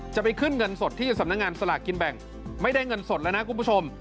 ไปขึ้นเงินสดที่สำนักงานสลากกินแบ่งไม่ได้เงินสดแล้วนะคุณผู้ชม